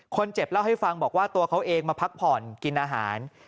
คนเจ็บเล่าให้ฟังบอกว่าตัวเขาเองมาพักผ่อนกินอาหาร